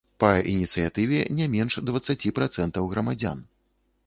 Па ініцыятыве не менш дваццаці працэнтаў грамадзян.